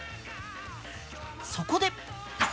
そこで。